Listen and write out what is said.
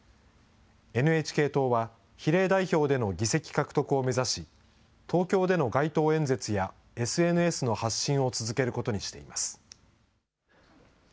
ＮＨＫ党は、比例代表での議席獲得を目指し、東京での街頭演説やＳＮＳの発信を続けることにしています。